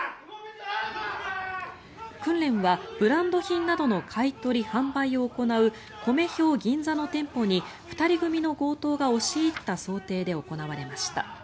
訓練はブランド品などの買い取り・販売を行うＫＯＭＥＨＹＯＧＩＮＺＡの店舗に、２人組の強盗が押し入った想定で行われました。